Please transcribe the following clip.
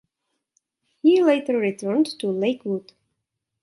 He later returned to Lakewood.